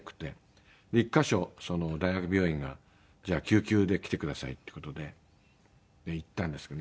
１カ所大学病院が「じゃあ救急で来てください」って事で行ったんですけどね。